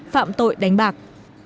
phạm tội đánh bạc